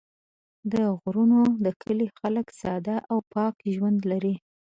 د غرونو د کلي خلک ساده او پاک ژوند لري.